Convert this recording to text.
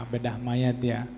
bedah mayat ya